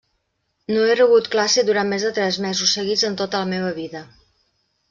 No he rebut classe durant més de tres mesos seguits en tota la meva vida.